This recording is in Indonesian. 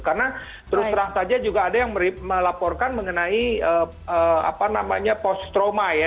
karena terus terang saja juga ada yang melaporkan mengenai apa namanya post trauma ya